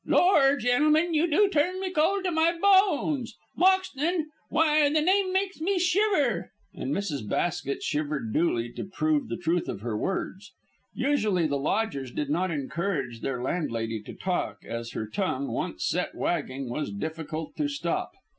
"Lor', gentlemen, you do turn me cold to my bones. Moxton! Why, the name makes me shiver," and Mrs. Basket shivered duly to prove the truth of her words. Usually the lodgers did not encourage their landlady to talk, as her tongue, once set wagging, was difficult to stop.